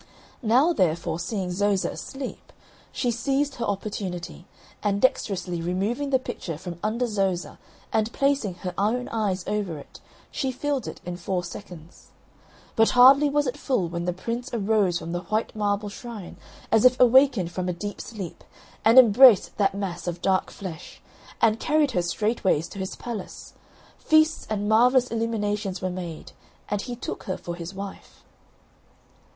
Now, therefore, seeing Zoza asleep, she seized her opportunity; and dexterously removing the pitcher from under Zoza, and placing her own eyes over it, she filled it in four seconds. But hardly was it full, when the Prince arose from the white marble shrine, as if awakened from a deep sleep, and embraced that mass of dark flesh, and carried her straightways to his palace; feasts and marvellous illuminations were made, and he took her for his wife.